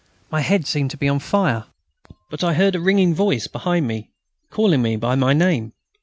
My head seemed to be on fire. But I heard a ringing voice behind me, calling me by my name.